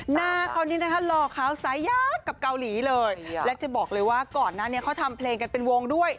หน้าเขานี่นะคะหล่อขาวสายยากกับเกาหลีเลยและจะบอกเลยว่าก่อนหน้านี้เขาทำเพลงกันเป็นวงด้วย